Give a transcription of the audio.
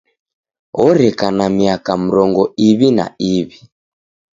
Oreka na miaka mrongo iw'I na iw'i.